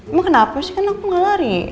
emang kenapa sih kan aku gak lari